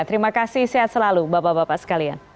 terima kasih sehat selalu bapak bapak sekalian